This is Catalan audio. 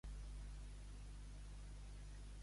Què diu que li havia declarat?